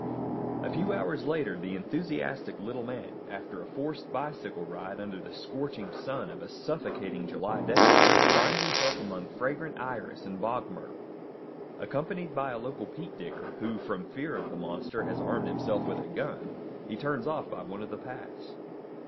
A few hours later the enthusiastic little man, after a forced bicycle ride under the scorching sun of a suffocating July day, finds himself among fragrant iris and bog myrtle. Accompanied by a local peat digger, who, from fear of the monster, has armed himself with a gun, he turns off by one of the paths.